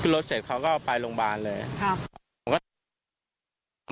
รถเสร็จเขาก็ไปโรงบาลเลยครับเรียกว่า